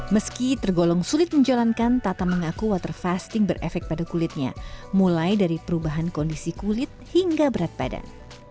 meski tergolong sulit menjalankan tata mengaku water fasting berefek pada kulitnya mulai dari perubahan kondisi kulit hingga berat badan